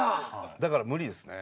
だから無理ですね。